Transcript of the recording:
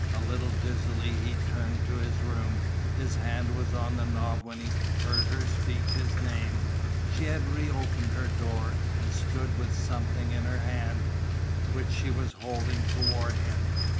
A little dizzily he turned to his room. His hand was on the knob when he heard her speak his name. She had reopened her door, and stood with something in her hand, which she was holding toward him.